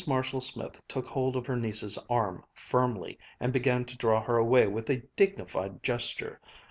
Marshall Smith took hold of her niece's arm firmly, and began to draw her away with a dignified gesture.